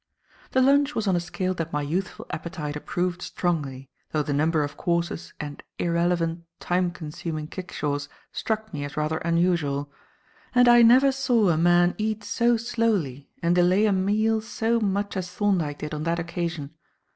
The lunch was on a scale that my youthful appetite approved strongly, though the number of courses and irrelevant, time consuming kickshaws struck me as rather unusual. And I never saw a man eat so slowly and delay a meal so much as Thorndyke did on that occasion.